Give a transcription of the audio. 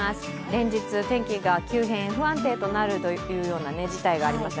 連日、天気が急変不安定となる事態がありました。